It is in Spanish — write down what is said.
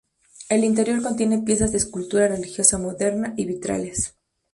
El interior contiene piezas de escultura religiosa moderna y vitrales.